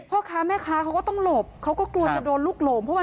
พ่อค้าแม่ค้าเขาก็ต้องหลบเขากลัวจะโดนลูกโหลม